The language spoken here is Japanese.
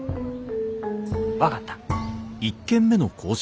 分かった。